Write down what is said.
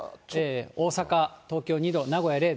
大阪、東京２度、名古屋０度。